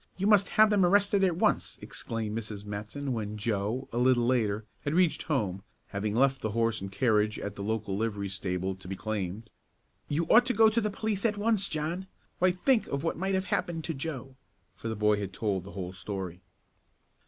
You must have them arrested at once!" exclaimed Mrs. Matson when Joe, a little later, had reached home, having left the horse and carriage at the local livery stable to be claimed. "You ought to go to the police at once, John! Why think of what might have happened to Joe," for the boy had told the whole story.